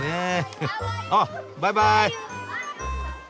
あっバイバーイ。